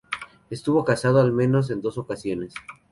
Estuvo casado al menos en dos ocasiones.